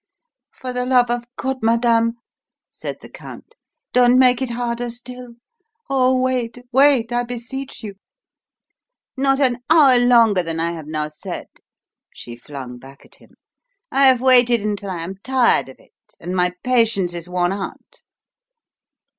"For the love of God, madame," said the Count, "don't make it harder still. Oh, wait, wait, I beseech you!" "Not an hour longer than I have now said!" she flung back at him. "I have waited until I am tired of it, and my patience is worn out.